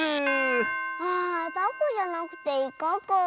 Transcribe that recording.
あタコじゃなくてイカかあ。